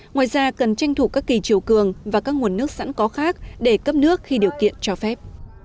ngoài ra cần tranh thủ các kỳ chiều cường và các nguồn nước sẵn có khác để cấp nước khi điều kiện cho phép